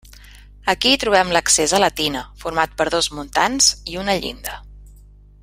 Aquí hi trobem l'accés a la tina format per dos muntants i una llinda.